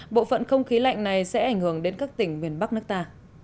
bộ phận không khí lạnh này sẽ ảnh hưởng đến các tỉnh miền bắc nước ta